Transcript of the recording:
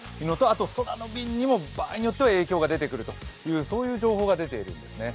空の便にも、場合によっては影響が出てくるという情報が出ているんですね。